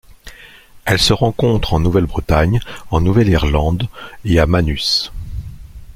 Elle se rencontre en Nouvelle-Bretagne, en Nouvelle-Irlande et à Manus.